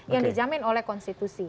yang dijamin oleh konstitusi